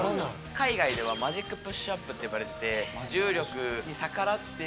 海外ではマジックプッシュアップって呼ばれてて。